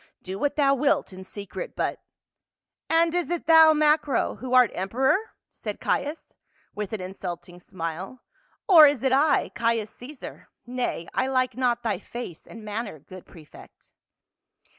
Do what thou wilt in secret, but —" "And is it thou. Macro, who art emperor?" said Caius, with an insulting smile, " or is it I, Caius Caesar ? Nay, I like not thy tone and manner, good prefect."